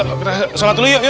kita sholat dulu yuk